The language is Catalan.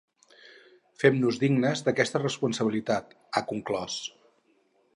“Fem-nos dignes d’aquesta responsabilitat”, ha conclòs.